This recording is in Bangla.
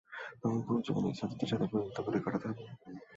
তখন পুরো জীবন এই সাজ্জাদের সাথে প্রতিযোগীতা করেই কাটাতে হবে।